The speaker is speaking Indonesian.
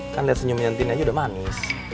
kan liat senyumnya tin aja udah manis